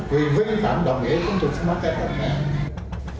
vì vi phạm đồng nghĩa chúng tôi sẽ mắc cái phạm đó